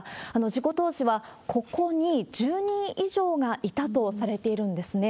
事故当時は、ここに１０人以上がいたとされているんですね。